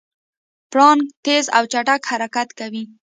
پړانګ تېز او چټک حرکت کوي.